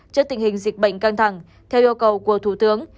trước tình hình dịch bệnh căng thẳng theo yêu cầu của thủ tướng